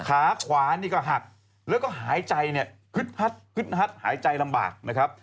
ขาขวานี่ก็หักแล้วก็หายใจเนี่ยฮึดฮัดฮึดฮัดหายใจลำบากนะครับ